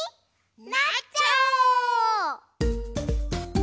なっちゃおう！